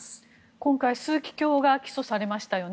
今回、枢機卿が起訴されましたね。